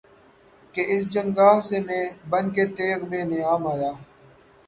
کہ اس جنگاہ سے میں بن کے تیغ بے نیام آیا